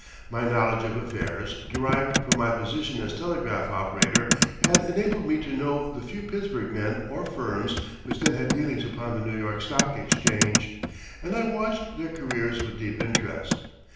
My knowledge of affairs, derived from my position as telegraph operator, had enabled me to know the few Pittsburgh men or firms which then had dealings upon the New York Stock Exchange, and I watched their careers with deep interest.